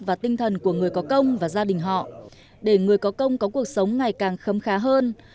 và tinh thần của người có công và gia đình họ để người có công có cuộc sống ngày càng khấm khá hơn